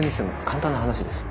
簡単な話です。